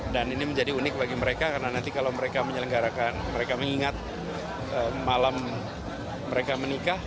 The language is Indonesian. dan ini menjadi unik bagi mereka karena nanti kalau mereka menyelenggarakan mereka mengingat malam mereka menikah